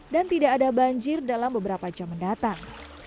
dan tidak ada banjir dalam beberapa jam mendatang